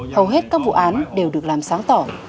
hầu hết các vụ án đều được làm sáng tỏ